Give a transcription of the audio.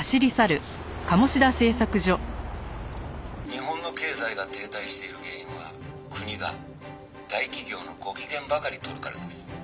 「日本の経済が停滞している原因は国が大企業のご機嫌ばかり取るからです」